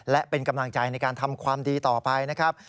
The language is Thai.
และเป็นกำลังใจในการทำความดีต่อไปนะครับ